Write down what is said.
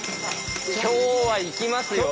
今日はいきますよ